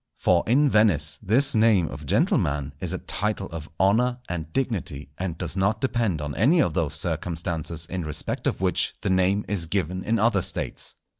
For in Venice this name of gentleman is a title of honour and dignity, and does not depend on any of those circumstances in respect of which the name is given in other States.